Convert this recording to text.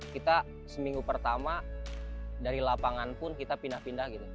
kita seminggu pertama dari lapangan pun kita pindah pindah gitu